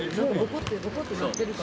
ぼこってなってるから。